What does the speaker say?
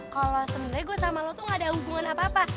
kalo sebenernya gue sama lo tuh ga ada hubungan apa apa